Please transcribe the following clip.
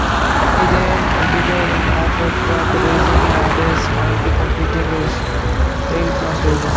He then competed in off-road truck racing and is currently competing in rallycross racing.